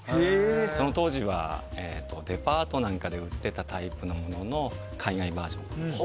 その当時はデパートなんかで売っていたタイプのものの海外バージョンと。